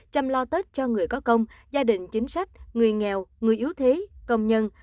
chăm lo tết cho người có công gia đình chính sách người nghèo người yếu thế công nhân